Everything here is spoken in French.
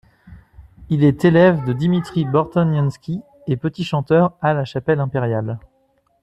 Il est élève de Dimitri Bortnianski et petit chanteur à la chapelle impériale.